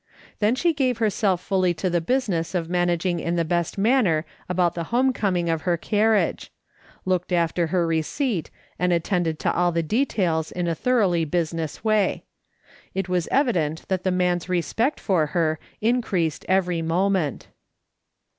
Then she gave herself fully to the business of manag ing in the best manner about the home coming of her carriage ; looked after her receipt, and attended to all the details in a thoroughly business way. It was evident that the man's respect for her increased every moment.